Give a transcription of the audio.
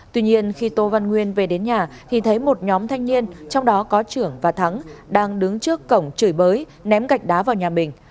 tuy nhiên khi tô văn nguyên về đến nhà thì thấy một nhóm thanh niên trong đó có trưởng và thắng đang đứng trước cổng chửi bới ném gạch đá vào nhà mình